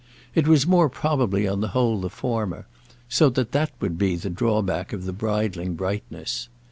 It was more probably on the whole the former; so that that would be the drawback of the bridling brightness.